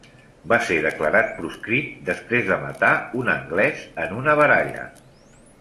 Va ser declarat proscrit després de matar un anglès en una baralla.